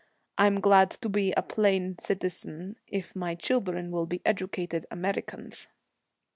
I'm glad to be a plain citizen, if my children will be educated Americans.'